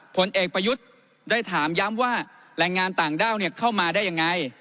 ผลเอกประยุทธ์ได้ถามย้ำว่าแรงงานต่างด้าวเข้ามาได้ยังไง